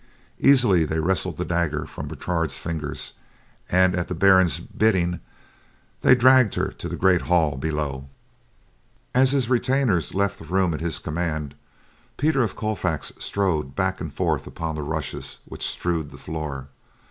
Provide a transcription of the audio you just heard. Easily they wrested the dagger from Bertrade's fingers, and at the Baron's bidding, they dragged her to the great hall below. As his retainers left the room at his command, Peter of Colfax strode back and forth upon the rushes which strewed the floor.